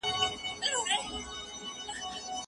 آيا د نکاح حکم د جماع حلالوالی دی؟